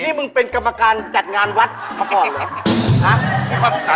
นี่มึงเป็นกรรมการจัดงานวัดภพเหรอหา